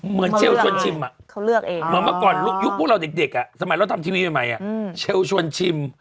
เหมือนเชลชวนชิมอะเหมือนเมื่อก่อนยุคพวกเราเด็กอะสมัยเราทำทีวีใหม่อะเชลชวนชิม